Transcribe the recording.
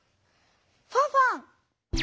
ファンファン！